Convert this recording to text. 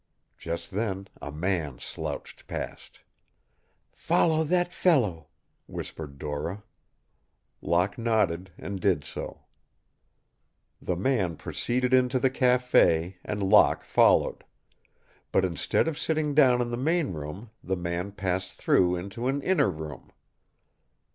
Just then a man slouched past. "Follow that fellow," whispered Dora. Locke nodded and did so. The man proceeded into the café and Locke followed. But instead of sitting down in the main room the man passed through into an inner room.